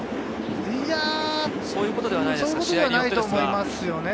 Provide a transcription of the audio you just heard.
そういうことではないと思いますよね。